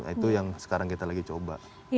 itu yang sekarang kita lagi coba